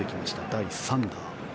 第３打。